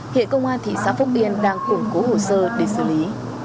hiện công an thị xã phúc yên đang củng cố hồ sơ để xử lý